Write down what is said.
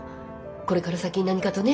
これから先何かとね。